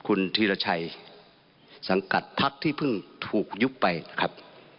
คุณธีรชัยสังกัดพักที่เพิ่งถูกยุบไปนะครับ